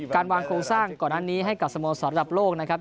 การวางโครงสร้างก่อนหน้านี้ให้กับสมมุติศาสตร์ระดับโลกนะครับ